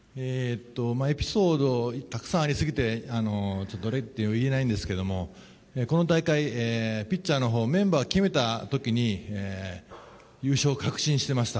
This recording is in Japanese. エピソードがたくさんありすぎてどれとは言えないんですけどこの大会、ピッチャーのメンバーを決めた時に優勝を確信していました。